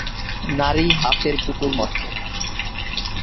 নারী হাতের পুতুল মাত্র।